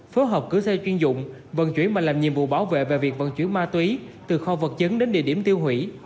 phối hợp cử xe chuyên dụng vận chuyển và làm nhiệm vụ bảo vệ về việc vận chuyển ma túy từ kho vật chứng đến địa điểm tiêu hủy